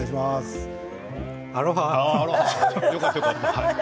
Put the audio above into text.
よかったよかった。